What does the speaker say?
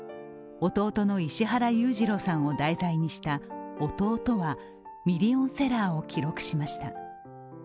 弟の石原裕次郎さんを題材にした「弟」はミリオンセラーを記録しました。